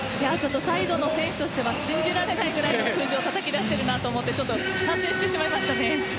サイドの選手としては信じられないぐらいの数字をたたき出しているなと思って感心してしまいましたね。